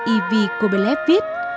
y v cô bê lép viết